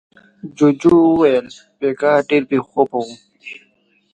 جوجو وويل: بېګا ډېر بې خوبه وې.